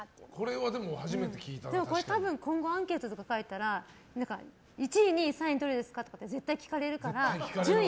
今後アンケートで答えたら１位、２位、３位どれですかとか絶対聞かれるからそうですか。